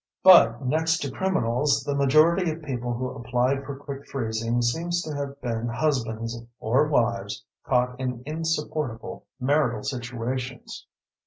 But next to criminals, the majority of people who applied for quick freezing seems to have been husbands or wives caught in insupportable marital situations.